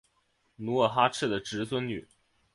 努尔哈赤的侄孙女。